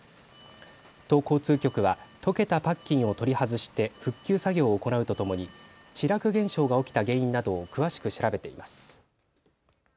都交通局は溶けたパッキンを取り外して復旧作業を行うとともに地絡現象が起きた原因などを詳しく調べています。